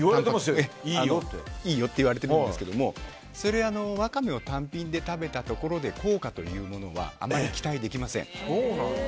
いいよって言われてるんですけどもワカメを単品で食べたところで効果というのはあまり期待できません。